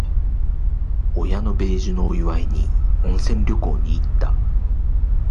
親の米寿のお祝いに、温泉旅行に行った。